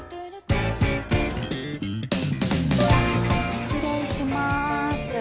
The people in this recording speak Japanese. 失礼しまーす。